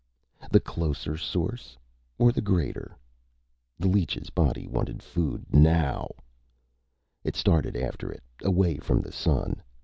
The closer source or the greater? The leech's body wanted food now. It started after it, away from the Sun.